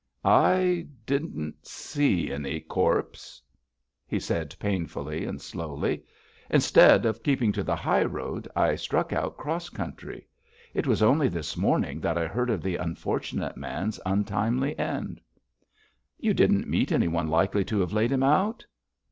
'I didn't see any corpse,' he said, painfully and slowly. 'Instead of keeping to the high road, I struck out cross country. It was only this morning that I heard of the unfortunate man's untimely end.' 'You didn't meet anyone likely to have laid him out?'